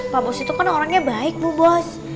pak bos itu kan orangnya baik bu bos